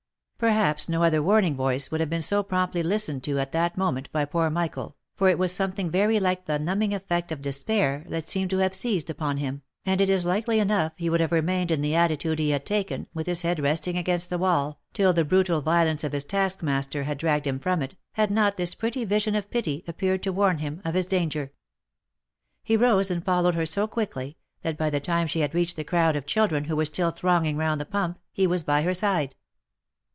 Perhaps no other warning voice would have been so promptly list ened to at that moment by poor Michael, for it was something very like the numbing effect of despair that seemed to have seized upon him, and it is likely enough he would have remained in the attitude he had taken, with his head resting against the wall, till the brutal vio lence of his task master had dragged him from it, had not this pretty vision of pity appeared to warn him of his danger. He rose and followed her so quickly, that by the time she had reached the crowd of children who were still thronging round the pump, he was by her side.